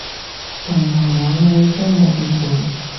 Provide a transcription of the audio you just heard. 同朋友去都冇咁攰